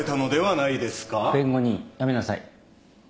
弁護人やめなさい。